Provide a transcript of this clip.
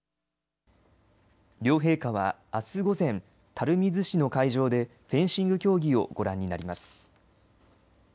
両陛下は、あす午前垂水市の会場でフェンシング競技をご覧になります。